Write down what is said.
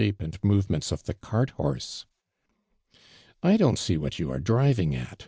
0 and movement" of the cart hor.se ?'' '•Idon't.seo what you are driving at!"